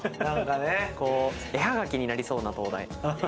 絵はがきになりそうな灯台。